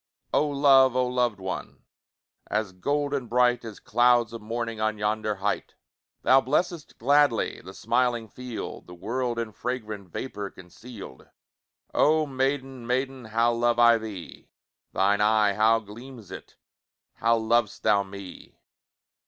Oh love! oh loved one! As golden bright, As clouds of morning On yonder height! Thou blessest gladly The smiling field, The world in fragrant Vapour conceal'd. Oh maiden, maiden, How love I thee! Thine eye, how gleams it! How lov'st thou me!